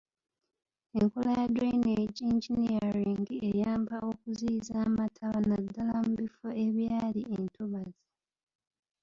Enkola ya drainage engineering eyamba okuziyiza amataba naddala mu bifo ebyali entobazi.